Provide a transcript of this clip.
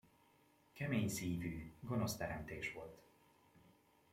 Kemény szívű, gonosz teremtés volt!